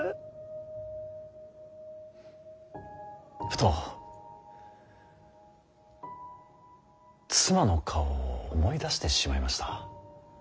ふと妻の顔を思い出してしまいました。